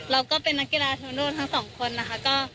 เราก็เป็นนักกีฬาทั้งโลกทั้งสองคนนะคะ